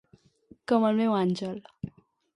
Com el meu àngel.